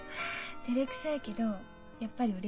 てれくさいけどやっぱりうれしい。